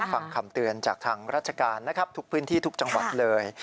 ฟังคำเตือนจากทางราชการนะครับทุกพื้นที่ทุกจังหวัดเลย